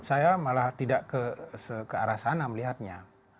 saya malah tidak ke arah sana melihatnya